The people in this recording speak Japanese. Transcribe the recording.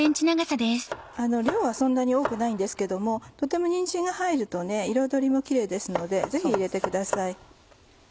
量はそんなに多くないんですけどもとてもにんじんが入ると彩りもキレイですのでぜひ入れてください。